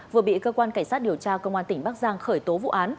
vừa bị cơ quan cảnh sát điều tra công an tỉnh bắc giang khởi tố vụ án